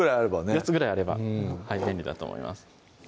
４つぐらいあれば便利と思います